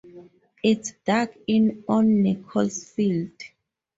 It's dug in on Nichols Field.